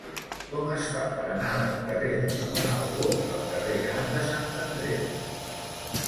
Com es fa per anar del carrer de Ramon Albó al carrer Gran de Sant Andreu?